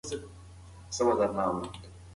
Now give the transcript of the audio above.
په مبایل کې یوه بجه او دېرش دقیقې وې.